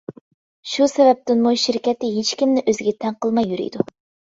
شۇ سەۋەبتىنمۇ شىركەتتە ھېچكىمنى ئۆزىگە تەڭ قىلماي يۈرىدۇ.